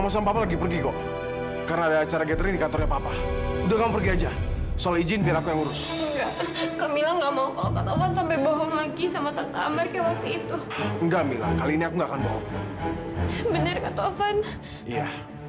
sampai jumpa di video selanjutnya